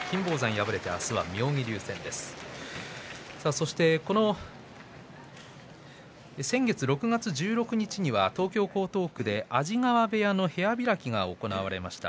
そして、先月６月１６日には東京・江東区で安治川部屋の部屋開きが行われました。